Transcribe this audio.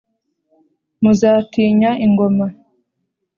muzatizanya ingoma.